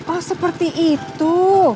oh seperti itu